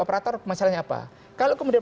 operator masalahnya apa kalau kemudian